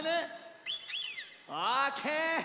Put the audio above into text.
オーケー！